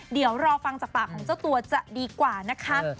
เดี๋ยวรอฟังจากปากของเจ้าตัวจะดีกว่านะคะ